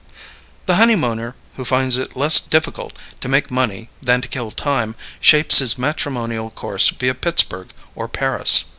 The honeymooner who finds it less difficult to make money than to kill time shapes his matrimonial course via Pittsburgh or Paris.